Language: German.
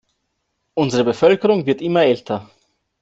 Unsere Bevölkerung wird immer älter.